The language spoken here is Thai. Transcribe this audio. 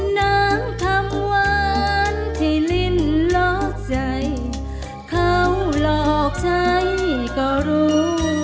นางคำหวานที่ลิ้นล็อกใจเขาหลอกใช้ก็รู้